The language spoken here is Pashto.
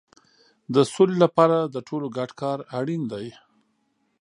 د سولې لپاره د ټولو ګډ کار اړین دی.